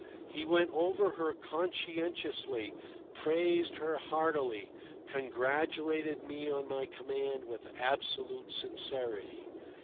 He went over her conscientiously, praised her heartily, congratulated me on my command with absolute sincerity.